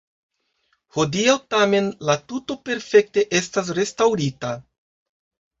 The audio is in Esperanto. Hodiaŭ tamen la tuto perfekte estas restaŭrita.